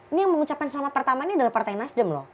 ini yang mengucapkan selamat pertama ini adalah partai nasdem loh